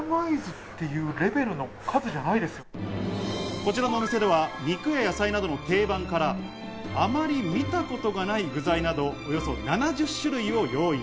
こちらのお店では肉や野菜などの定番からあまり見たことがない具材など、およそ７０種類を用意。